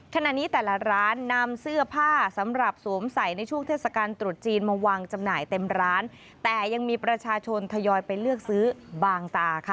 ขณะนี้แต่ละร้านนำเสื้อผ้าสำหรับสวมใส่ในช่วงเทศกาลตรุษจีนมาวางจำหน่ายเต็มร้านแต่ยังมีประชาชนทยอยไปเลือกซื้อบางตาค่ะ